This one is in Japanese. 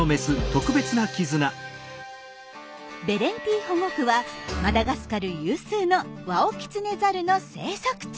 ベレンティ保護区はマダガスカル有数のワオキツネザルの生息地。